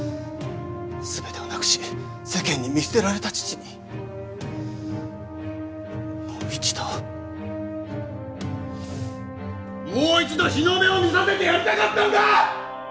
全てをなくし世間に見捨てられた父にもう一度もう一度日の目を見させてやりたかったんだ！